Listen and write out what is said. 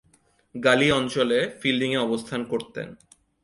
গালি অঞ্চলে ফিল্ডিংয়ে অবস্থান করতেন।